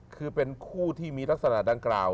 คือเป็นคู่ที่มีลักษณะดังกล่าว